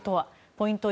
ポイント